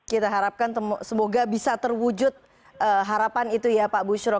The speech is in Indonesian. kita harapkan semoga bisa terwujud harapan itu ya pak bushro